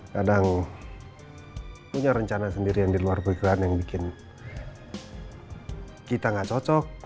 kadang punya rencana sendiri yang diluar pikiran yang bikin kita gak cocok